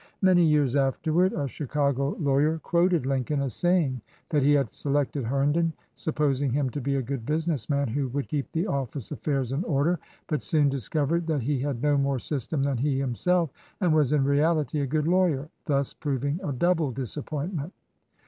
Many years afterward a Chicago lawyer quoted Lin coln as saying that he had selected Herndon, sup posing him to be a good business man who would keep the office affairs in order, but soon discov ered that he had no more system than he himself, and was in reality a good lawyer, "thus proving a double disappointment."